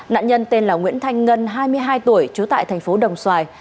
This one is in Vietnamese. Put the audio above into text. nạn nhân tên là nguyễn thanh ngân hai mươi hai tuổi trú tại thành phố đồng xoài